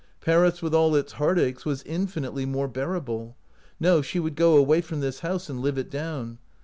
Paris, with all its heartaches, was infinitely more bearable. No; she would go away from this house and live it down.